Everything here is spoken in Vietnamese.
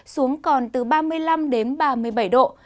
xuống còn từ ba mươi năm đến ba mươi bảy độ